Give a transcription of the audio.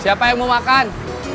siapa yang mau makan